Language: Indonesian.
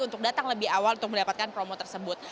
untuk datang lebih awal untuk mendapatkan promo tersebut